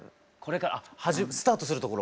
あスタートするところ。